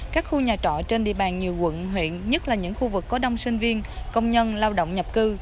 các khu nhà trọ trên địa bàn nhiều quận huyện nhất là những khu vực có đông sinh viên công nhân lao động nhập cư